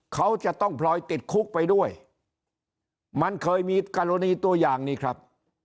เขาจะต้องพลอยติดคุกไปด้วยมันเคยมีกรณีตัวอย่างนี้ครับ